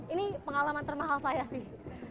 ini pengalaman termahal saya sih